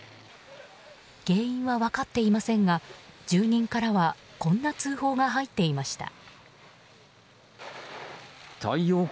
原因は分かっていませんが住人からはこんな通報が入っていました。